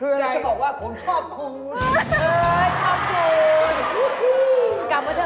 เออชอบเจ๊